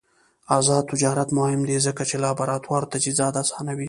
آزاد تجارت مهم دی ځکه چې لابراتوار تجهیزات اسانوي.